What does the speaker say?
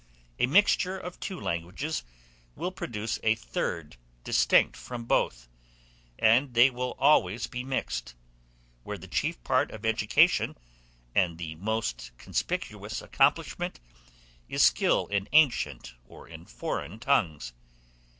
A mixture of two languages will produce a third distinct from both, and they will always be mixed, where the chief parts of education, and the most conspicuous accomplishment, is skill in ancient or in foreign tongues.